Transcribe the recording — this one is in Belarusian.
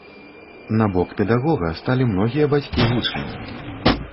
На бок педагога сталі многія бацькі вучняў.